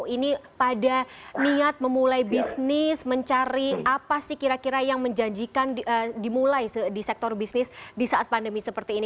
ini pada niat memulai bisnis mencari apa sih kira kira yang menjanjikan dimulai di sektor bisnis di saat pandemi seperti ini